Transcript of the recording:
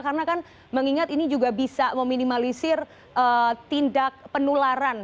karena kan mengingat ini juga bisa meminimalisir tindak penularan